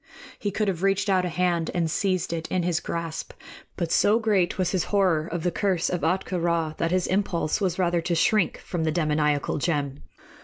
He could have reached out a hand and seized it in his grasp; but so great was his horror of the curse of Ahtka Rā that his impulse was rather to shrink from the demoniacal gem.